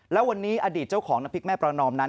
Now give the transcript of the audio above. แล้ววันนี้อดีตเจ้าของน้ำพริกแม่ประนอมนั้น